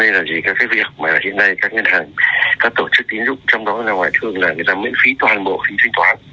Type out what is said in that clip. cho nên là chỉ các cái việc mà hiện nay các ngân hàng các tổ chức tín dụng trong đó ra ngoài thường là mấy phí toàn bộ phí thanh toán